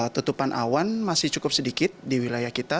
tutupan awan masih cukup sedikit di wilayah kita